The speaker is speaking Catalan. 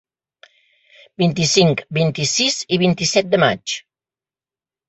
Vint-i-cinc, vint-i-sis i vint-i-set de maig.